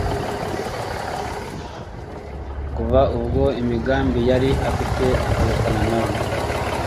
kuva ubwo imigambi yari afite ikayokana na we